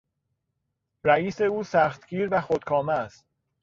رئیس او سختگیر و خودکامه است.